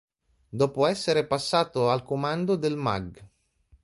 Dopo essere passato al comando del Magg.